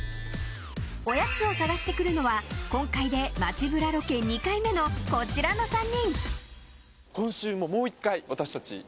おやつを探してくるのは今回で、街ブラロケ２回目のこちらの３人。